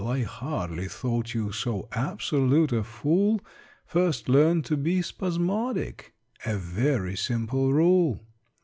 I hardly thought you So absolute a fool. First learn to be spasmodic A very simple rule.